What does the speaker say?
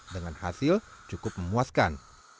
dengan hasil cukup memuaskan